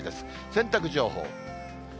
洗濯情報。